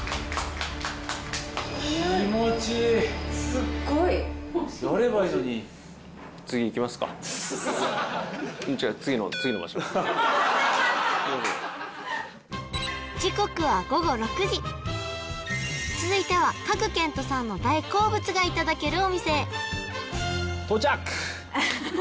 すっごい違う時刻は午後６時続いては賀来賢人さんの大好物がいただけるお店へ到着